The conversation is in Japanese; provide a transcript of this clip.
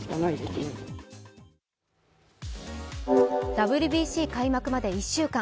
ＷＢＣ開幕まで１週間。